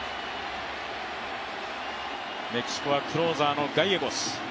メキシコはクローザーのガイエゴス。